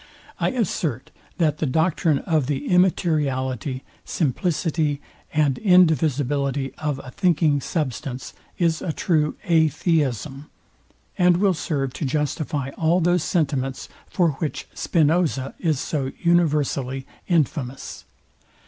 I assert, that the doctrine of the immateriality, simplicity, and indivisibility of a thinking substance is a true atheism, and will serve to justify all those sentiments, for which Spinoza is so universally infamous.